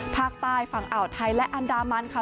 ภาคใต้ฝั่งอ่าวไทยและอันดามันค่ะ